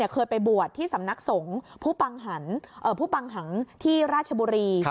เคยไปบวชที่สำนักสงฆ์ผู้ปังหังที่ราชบุรี